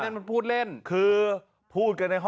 นักเรียงมัธยมจะกลับบ้าน